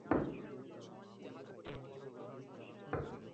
গতকাল সকালে স্থানীয় লোকজন লাশ পড়ে থাকতে দেখে পুলিশকে খবর দেন।